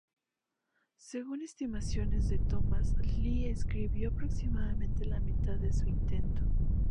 Según estimaciones de Thomas, Lee reescribió aproximadamente la mitad de su intento.